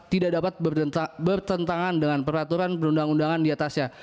tidak dapat bertentangan dengan peraturan perundang undangan diatasnya